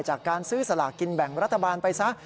จากการซื้อสลากกินแบ่งรัฐบาลไปซะ